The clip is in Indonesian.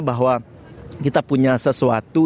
bahwa kita punya sesuatu